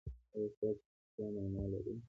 ایا ستاسو چوپتیا معنی لري؟